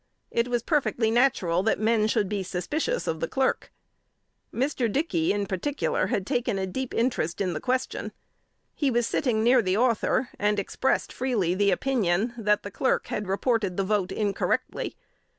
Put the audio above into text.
It was perfectly natural that men should be suspicious of the Clerk. Mr. Dickey, in particular, had taken a deep interest in the question. He was sitting near the Author, and expressed freely the opinion, that the Clerk had reported the vote incorrectly.